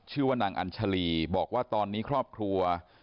ชื่อว่านางอัญชาลีบอกว่าตอนนี้ครอบครัว